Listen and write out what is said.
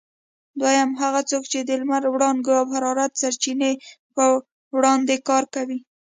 دوهم: هغه څوک چې د لمر وړانګو او حرارت سرچینې په وړاندې کار کوي؟